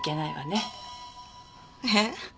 えっ？